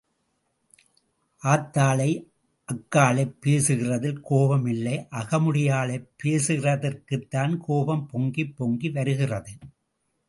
ஆத்தாளை அக்காளைப் பேசுகிறதில் கோபம் இல்லை அகமுடையாளைப் பேசுகிறதற்குத்தான் கோபம் பொங்கிப் பொங்கி வருகிறது.